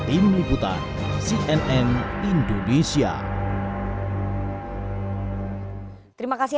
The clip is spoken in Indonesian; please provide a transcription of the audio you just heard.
ada dinasti jokowi